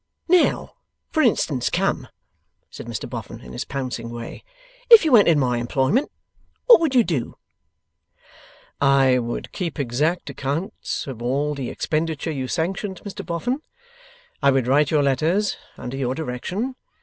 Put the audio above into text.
'Now, for instance come!' said Mr Boffin, in his pouncing way. 'If you entered my employment, what would you do?' 'I would keep exact accounts of all the expenditure you sanctioned, Mr Boffin. I would write your letters, under your direction.